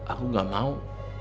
aku gak mau